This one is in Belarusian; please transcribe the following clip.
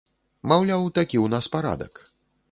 Маўляў, такі ў нас парадак.